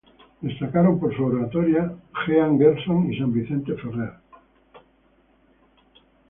Destacaron por su oratoria Jean Gerson y San Vicente Ferrer.